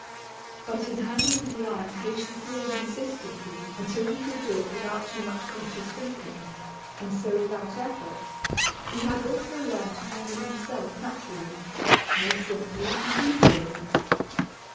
But in handling the iron patiently and consistently until he could do it without too much conscious thinking, and so without effort, he had also learned to handle himself naturally, more simply and easily.